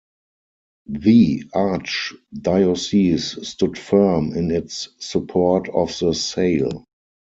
The Archdiocese stood firm in its support of the sale.